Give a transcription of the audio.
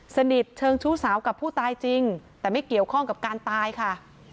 สนิทเชิงชู้สาวกับผู้ตายจริงแต่ไม่เกี่ยวข้องกับการตายค่ะ